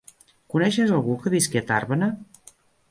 Coneixes algú que visqui a Tàrbena?